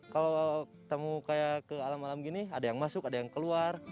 kalau ketemu kayak ke alam alam gini ada yang masuk ada yang keluar